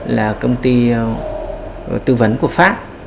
là công ty tư vấn của pháp